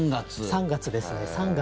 ３月ですね。